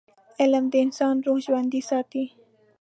علم د انسان روح ژوندي ساتي.